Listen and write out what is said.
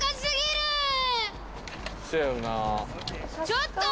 ちょっと！